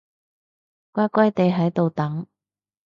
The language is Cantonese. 乖乖哋喺度等